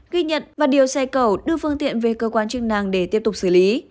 ghi nhận và điều xe cầu đưa phương tiện về cơ quan chức năng để tiếp tục xử lý